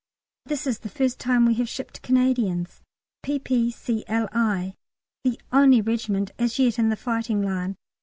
This is the first time we have shipped Canadians, P.P.C.L.I., the only regiment as yet in the fighting line.